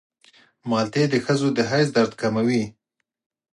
مالټې د ښځو د حیض درد کموي.